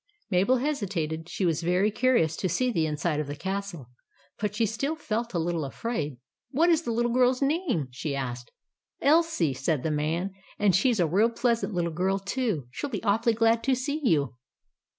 Mabel hesitated. She was very curious to see the inside of the castle, but she still felt a little afraid. " What is the little girl's name? " asked she. " Elsie," said the man ;" and she 's a real pleasant little girl, too. She '11 be awfully glad to see you."